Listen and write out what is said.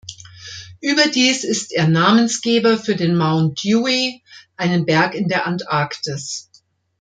Überdies ist er Namensgeber für den Mount Dewey, einen Berg in der Antarktis.